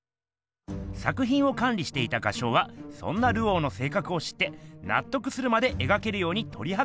作品をかん理していた画商はそんなルオーのせいかくを知って納得するまでえがけるようにとり計らっていました。